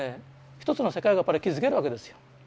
一つの世界がやっぱり築けるわけですよ。